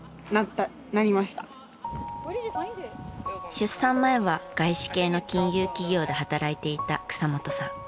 出産前は外資系の金融企業で働いていた草本さん。